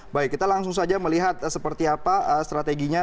baik kita langsung saja melihat seperti apa strateginya